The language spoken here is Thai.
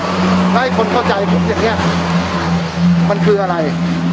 แล้วให้คนเข้าใจผมอย่างนี้มันคืออะไร